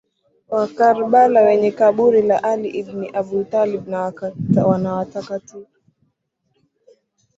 wa Karbala wenye kaburi la Ali ibn Abu Talib na watakatifu